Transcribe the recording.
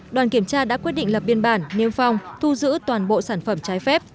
đoàn kiểm tra đã quyết định lập biên bản niêm phong thu giữ toàn bộ sản phẩm trái phép